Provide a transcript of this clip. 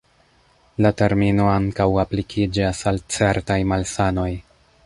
La termino ankaŭ aplikiĝas al certaj malsanoj.